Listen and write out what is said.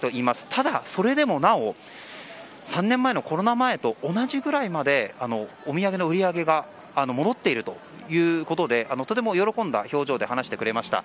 ただ、それでもなお３年前のコロナ前と同じぐらいまでお土産の売り上げが戻っているということでとても喜んだ表情で話してくれました。